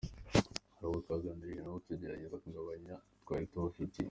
Hari abo twaganiriye nabo tugerageza no kugabanya ayo twari tubafitiye.